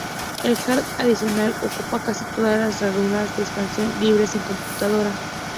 El hardware adicional ocupa casi todas las ranuras de expansión libres en la computadora.